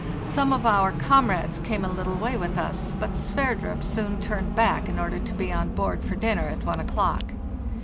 Some of our comrades came a little way with us, but Sverdrup soon turned back in order to be on board for dinner at 1 o'clock.